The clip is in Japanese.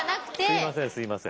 すみませんすみません。